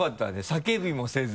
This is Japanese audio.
叫びもせず。